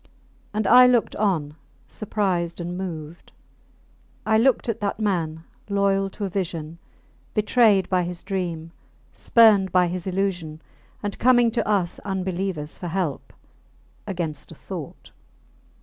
And I looked on, surprised and moved; I looked at that man, loyal to a vision, betrayed by his dream, spurned by his illusion, and coming to us unbelievers for help against a thought.